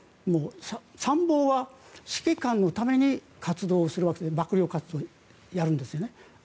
参謀は指揮官のために活動をするわけで幕僚活動をやるわけですね。